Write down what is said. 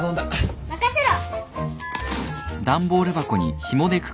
任せろ。